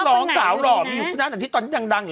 ร้องสาวหรอมีอยู่ตรงนั้นแต่ที่ตอนที่ดังอยู่